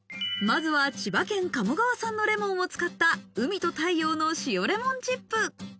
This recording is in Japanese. まずは千葉県鴨川産のレモンを使った海と太陽のしおレモンチップ。